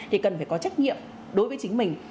thì cần phải có trách nhiệm đối với chính mình